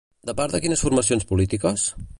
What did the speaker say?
De part de quines formacions polítiques?